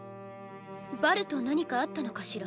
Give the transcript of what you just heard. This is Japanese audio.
バルと何かあったのかしら？